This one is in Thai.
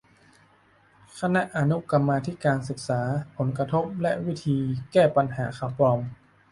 คณะอนุกรรมาธิการศึกษาผลกระทบและวิธีแก้ปัญหาข่าวปลอม